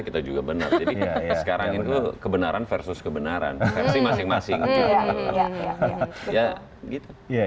kita juga benar jadi sekarang itu kebenaran versus kebenaran versi masing masing ya gitu ya ya ya ya